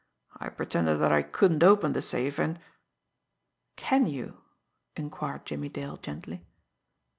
I pretended that I couldn't open the safe, and " "Can you?" inquired Jimmie Dale gently.